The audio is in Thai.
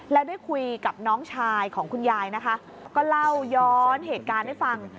แล้วได้คุยกับน้องชายของคุณยายนะคะก็เล่าย้อนเหตุการณ์ให้ฟัง